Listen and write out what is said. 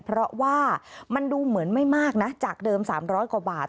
เพราะว่ามันดูเหมือนไม่มากนะจากเดิม๓๐๐กว่าบาท